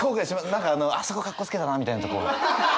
何かあそこカッコつけたなみたいなとこは。